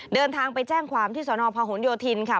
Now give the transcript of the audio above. เดินทางไปแจ้งความที่สนพหนโยธินค่ะ